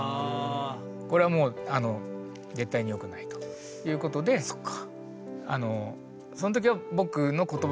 これはもう絶対によくないということでその時は僕の言葉